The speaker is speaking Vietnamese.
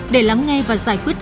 để lắng nghe và giải quyết